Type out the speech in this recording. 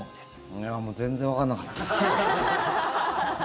いや、もう全然わかんなかった。